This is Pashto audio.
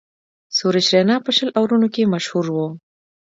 سریش رینا په شل آورونو کښي مشهور وو.